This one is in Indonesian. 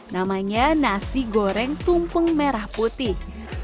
namanya nasi goreng tumpeng merah putih